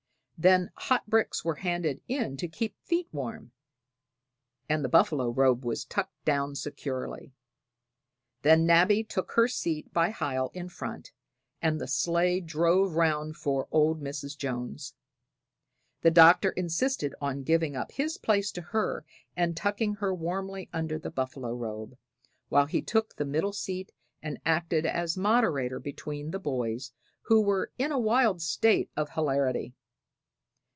Then hot bricks were handed in to keep feet warm, and the buffalo robe was tucked down securely. Then Nabby took her seat by Hiel in front, and the sleigh drove round for old Mrs. Jones. The Doctor insisted on giving up his place to her and tucking her warmly under the buffalo robe, while he took the middle seat and acted as moderator between the boys, who were in a wild state of hilarity.